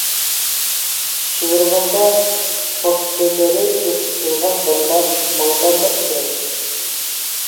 شىۋىرغاندا، پوتلىلىرى ئېقىپ تۇرغان بالىلار ماڭدامدا ئۇچرايتتى.